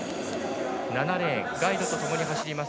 ７レーン、ガイドともに走ります